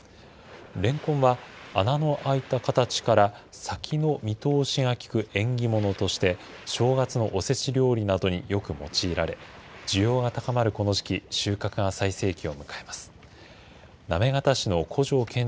レンコンは、穴の開いた形から先の見通しが利く縁起物として正月のおせち料理などによく用いられ、需要が高まるこの時期、収穫が最盛期を迎えます。